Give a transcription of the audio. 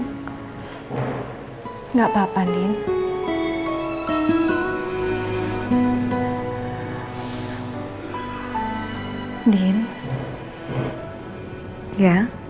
anak mama yang cantik